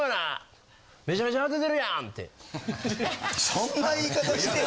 そんな言い方してへん。